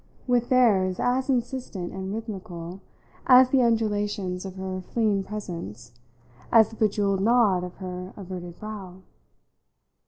with "there's" as insistent and rhythmical as the undulations of her fleeing presence, as the bejewelled nod of her averted brow?